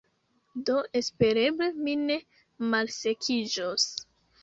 Do espereble mi ne malsekiĝos